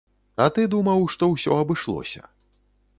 А ты думаў, што ўсё абышлося.